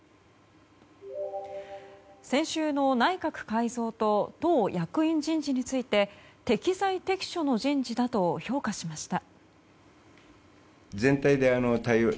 先週の内閣改造と党役員人事について適材適所の人事だと評価しました。